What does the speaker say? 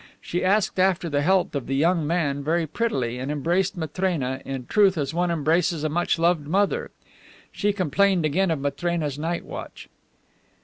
She asked after the health of the young man very prettily and embraced Matrena, in truth as one embraces a much beloved mother. She complained again of Matrena's night watch.